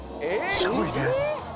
すごいね。